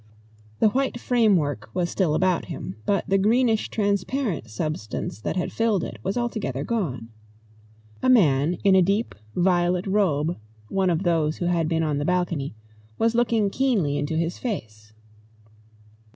The white framework was still about him, but the greenish transparent substance that had filled it was altogether gone. A man in a deep violet robe, one of those who had been on the balcony, was looking keenly into his face.